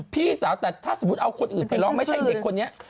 พี่สาวแต่ถ้าสมมุติเอาคนอื่นไปร้องไม่ใช่เด็กคนนี้